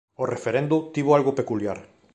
O referendo tivo algo peculiar: